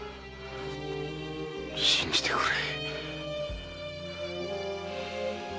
信じてくれ。